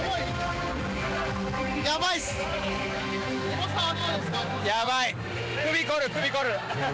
重さはどうですか？